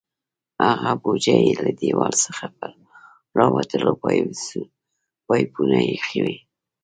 هغه بوجۍ یې له دیوال څخه پر راوتلو پایپونو ایښې وې.